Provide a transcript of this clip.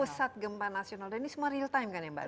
pusat gempa nasional dan ini semua real time kan mbak rita